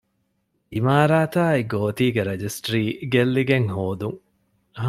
އިމާރާތާއި ގޯތީގެ ރަޖިސްޓްރީ ގެއްލިގެން ހޯދުން